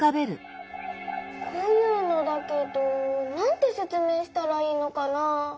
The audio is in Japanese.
こういうのだけどなんてせつめいしたらいいのかな？